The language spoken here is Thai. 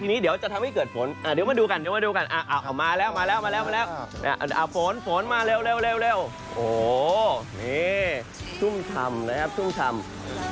ทีนี้เดี๋ยวจะทำให้เกิดฝนเดี๋ยวมาดูกันมาแล้วฝนมาเร็วโอ้นี่ทุ่มทำนะครับทุ่มทำ